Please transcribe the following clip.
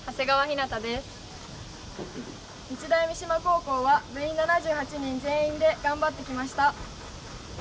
日大三島高校は部員７８人全員で頑張ってきました。